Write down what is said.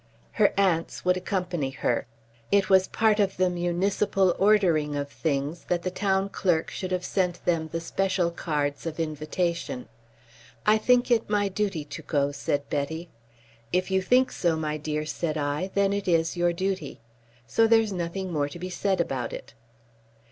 Her aunts would accompany her. It was part of the municipal ordering of things that the Town Clerk should have sent them the special cards of invitation. "I think it my duty to go," said Betty. "If you think so, my dear," said I, "then it is your duty. So there's nothing more to be said about it."